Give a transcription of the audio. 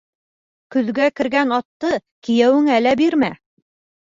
Көҙгә кергән атты кейәүеңә лә бирмә.